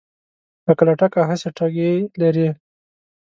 لکه لټکه هسې ټګي لري